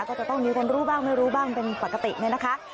ก็จะต้องมีคนรู้บ้างไม่รู้บ้างเป็นปกติเนี่ยนะคะ